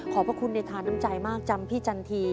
พระคุณในทานน้ำใจมากจำพี่จันที